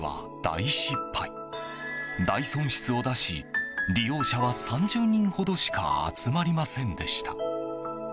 大損失を出し利用者は３０人ほどしか集まりませんでした。